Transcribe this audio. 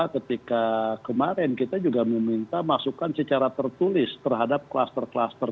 ketika kemarin kita juga meminta masukan secara tertulis terhadap kluster kluster